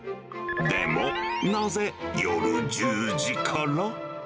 でも、なぜ夜１０時から？